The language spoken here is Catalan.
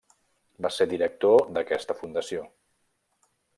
Va ser director d'aquesta fundació.